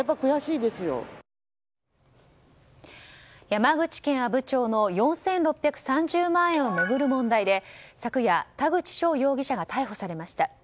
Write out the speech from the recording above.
山口県阿武町の４６３０万円を巡る問題で昨夜、田口翔容疑者が逮捕されました。